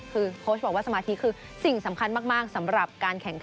คือโค้ชบอกว่าสมาธิคือสิ่งสำคัญมากสำหรับการแข่งขัน